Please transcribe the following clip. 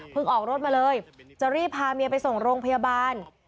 ออกรถมาเลยจะรีบพาเมียไปส่งโรงพยาบาล